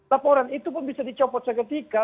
laporan itu pun bisa dicopot seketika